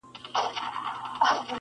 سر پر سر به ښې مزې واخلو له ژونده -